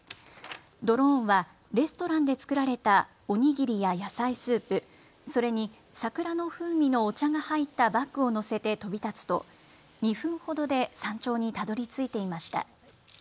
ドローンはレストランで作られたお握りや野菜スープ、それに桜の風味のお茶が入ったバッグをのせて飛び立つと２分ほどで山頂にたどりついていました。